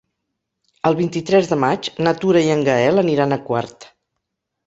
El vint-i-tres de maig na Tura i en Gaël aniran a Quart.